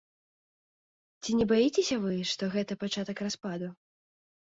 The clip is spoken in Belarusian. Ці не баіцеся вы, што гэта пачатак распаду?